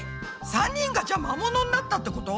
３人がじゃ魔物になったってこと？